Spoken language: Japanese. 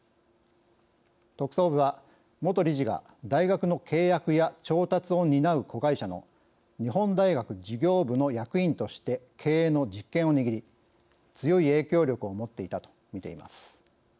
特捜部は、元理事が大学の契約や調達を担う子会社の日本大学事業部の役員として経営の実権を握り強い影響力を持っていたとみています。